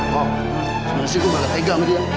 kok gimana sih gua gak ada tega sama dia